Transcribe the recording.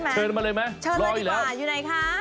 เชิญมาเลยไหมรออยู่แล้วเชิญมาเลยครับอยู่ไหนคะ